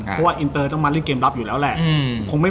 เพราะว่าอินเตอร์ต้องมาเล่นเกมรับอยู่แล้วแหละ